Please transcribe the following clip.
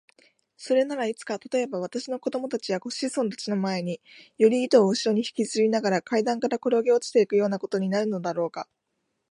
それならいつか、たとえば私の子供たちや子孫たちの前に、より糸をうしろにひきずりながら階段からころげ落ちていくようなことになるのだろうか。